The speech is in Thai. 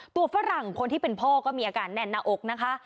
ฝรั่งคนที่เป็นพ่อก็มีอาการแน่นหน้าอกนะคะ